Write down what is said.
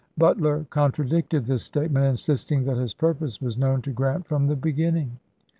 Butler contradicted this statement, insisting that his purpose was known to Grant from the beginning.